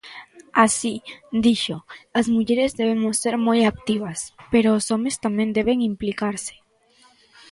Así, dixo, "as mulleres debemos ser moi activas", pero os homes tamén deben "implicarse".